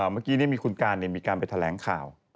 เมื่อกี้มีคุณการมีการไปแถลงข่าว